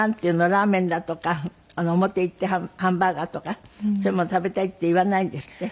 ラーメンだとか表行ってハンバーガーとかそういうもの食べたいって言わないんですって？